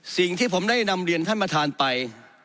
สิ่งที่ผมได้นำเรียนท่านประธานไป